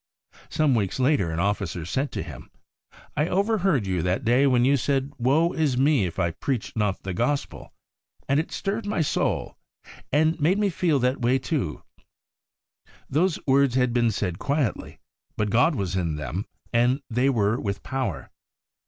Some weeks later an Officer said to him, ' I over heard you that day when you said, "Woe is me if I preach not the Gospel," and it stirred my soul, and made me feel that way too.' Those words had been said quietly, but God was in them, and they were with power.